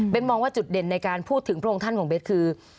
มองว่าจุดเด่นในการพูดถึงพระองค์ท่านของเบสคือ